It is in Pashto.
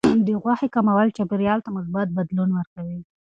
د غوښې کمول چاپیریال ته مثبت بدلون ورکوي.